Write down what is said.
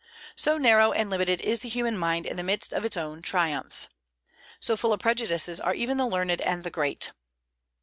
So narrow and limited is the human mind in the midst of its triumphs. So full of prejudices are even the learned and the great.